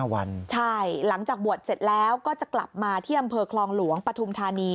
ใช่หลังจากบวชเสร็จแล้วก็จะกลับมาที่อำเภอคลองหลวงปฐุมธานี